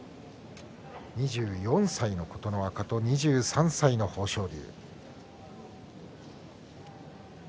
２４歳の琴ノ若と２３歳の豊昇龍。